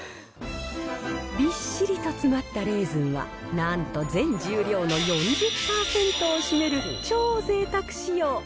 びっしりと詰まったレーズンはなんと全重量の４０％を占める超ぜいたく仕様。